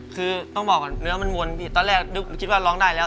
คือต้องบอกเนื้อมันวนเดี๋ยวตอนแรกคิดว่าร้องได้แล้ว